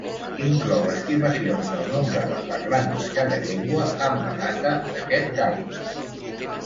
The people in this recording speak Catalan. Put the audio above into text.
Inclou estimacions del nombre de parlants de cada llengua amb la data d'aquest càlcul.